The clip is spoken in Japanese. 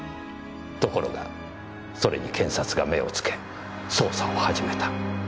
ところがそれに検察が目をつけ捜査を始めた。